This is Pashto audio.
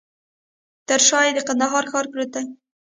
تر شاه یې د کندهار ښار پروت دی.